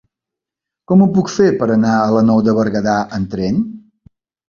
Com ho puc fer per anar a la Nou de Berguedà amb tren?